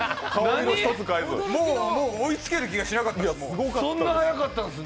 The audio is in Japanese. もう、追いつける気がしなかったです。